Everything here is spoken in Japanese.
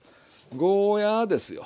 ゴーヤーですよ。